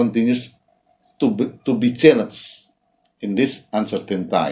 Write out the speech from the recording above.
terus ditantang di saat ini